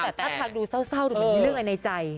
แต่ถ้าทางดูเศร้าหรือเป็นเรื่องอะไรในใจ